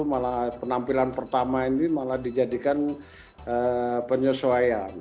malah penampilan pertama ini malah dijadikan penyesuaian